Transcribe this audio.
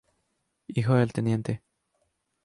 Hijo del Tte.